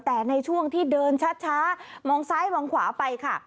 แต่ในช่วงที่เดินช้ามองซ้ายมองขวาไปค่ะ